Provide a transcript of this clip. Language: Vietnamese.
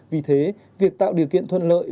vì thế việc tạo điều kiện thuận lợi